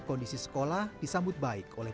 kondisi sekolah disambut baik oleh